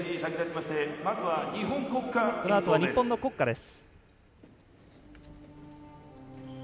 このあとは日本の国歌です。